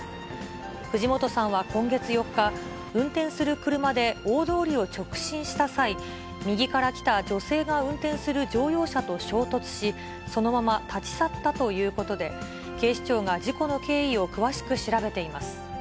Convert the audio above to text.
藤本さんは今月４日、運転する車で大通りを直進した際、右から来た女性が運転する乗用車と衝突し、そのまま立ち去ったということで、警視庁が事故の経緯を詳しく調べています。